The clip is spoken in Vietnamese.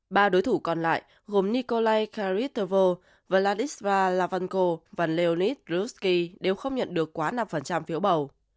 ba đối thủ còn lại gồm nikolai kharitovo vladislav lavonko và leonid gruski đều không nhận được quá năm phiếu bầu